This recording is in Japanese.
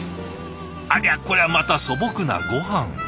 ありゃこりゃまた素朴なごはん。